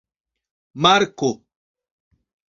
marko